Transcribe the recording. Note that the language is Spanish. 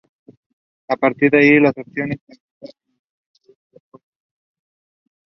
A partir de ahí, las opiniones se agrupan en torno a dos propuestas.